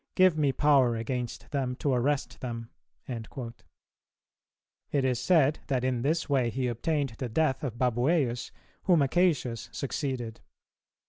Give me power against them to arrest them.'"[294:1] It is said that in this way he obtained the death of Babuæus, whom Acacius succeeded.